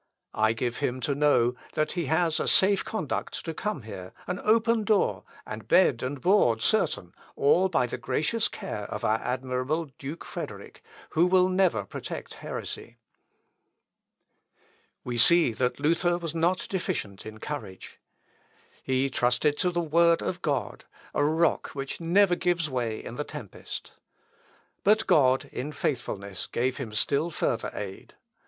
I give him to know, that he has a safe conduct to come here, an open door, and bed and board certain, all by the gracious care of our admirable Duke Frederick, who will never protect heresy." Luth. Op. Leips. xvii, 132. We see that Luther was not deficient in courage. He trusted to the word of God a rock which never gives way in the tempest. But God in faithfulness gave him still further aid.